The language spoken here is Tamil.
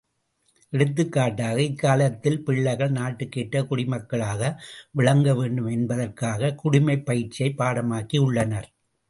எடுத்துக் காட்டாக, இக்காலத்தில் பிள்ளைகள் நாட்டுக்கேற்ற குடிமக்களாக விளங்க வேண்டும் என்பதற்காகக் குடிமைப் பயிற்சியைப் பாடமாக்கியுள்ளனர்.